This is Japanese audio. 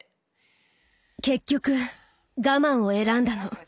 結局我慢を選んだの。